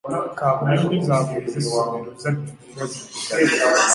Kaabuyonjo zaabwe ez'essomero zajjula era ziddugala.